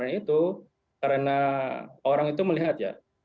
dan kemarin itu karena orang itu melihat ya